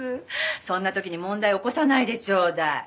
そんな時に問題起こさないでちょうだい。